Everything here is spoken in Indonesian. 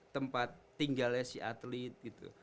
tempat tinggalnya si atlet gitu